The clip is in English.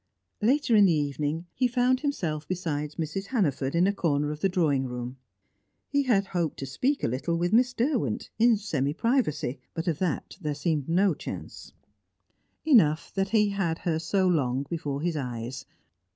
Later in the evening, he found himself beside Mrs. Hannaford in a corner of the drawing room. He had hoped to speak a little with Miss Derwent, in semi privacy, but of that there seemed no chance; enough that he had her so long before his eyes.